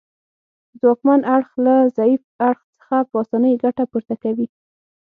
ځواکمن اړخ له ضعیف اړخ څخه په اسانۍ ګټه پورته کوي